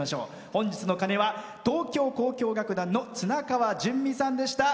本日の鐘は東京交響楽団の綱川淳美さんでした。